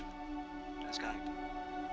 udah sekarang itu